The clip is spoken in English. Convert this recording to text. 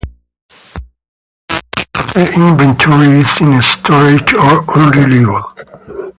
Much of the inventory is in storage or unreliable.